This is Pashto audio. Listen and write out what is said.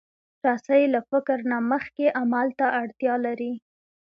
رسۍ له فکر نه مخکې عمل ته اړتیا لري.